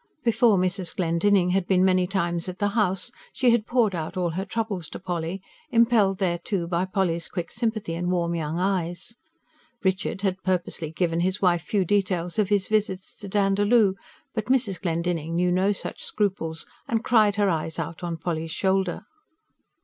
Before Mrs. Glendinning had been many times at the house, she had poured out all her troubles to Polly, impelled thereto by Polly's quick sympathy and warm young eyes. Richard had purposely given his wife few details of his visits to Dandaloo; but Mrs. Glendinning knew no such scruples, and cried her eyes out on Polly's shoulder.